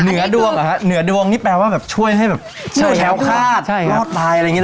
เหนือดวงเหรอฮะเหนือดวงนี่แปลว่าแบบช่วยให้แบบช่วยแค้วคาดรอดตายอะไรอย่างนี้